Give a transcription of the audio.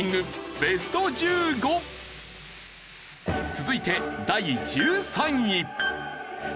続いて第１３位。